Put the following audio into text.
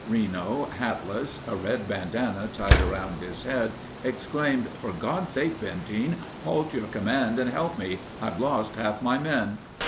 Reno, hatless, a red bandana tied around his head, exclaimed: "For God's sake, Benteen, halt your command and help me. I've lost half my men."